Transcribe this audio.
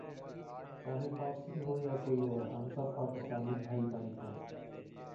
چاہے پارسی ہو یا کوئی اور ہم سب پاکستانی بھائی بھائی ہیں